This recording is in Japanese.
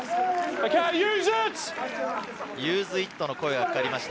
ユーズイットの声がかかりました。